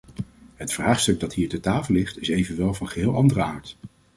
Het vraagstuk dat hier ter tafel ligt is evenwel van geheel andere aard.